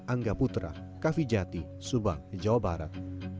angga putra kaffi jati subang jawa barat